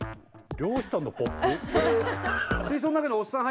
漁師さんのポップ？